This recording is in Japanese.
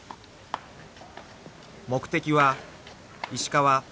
［目的は石川鵜飼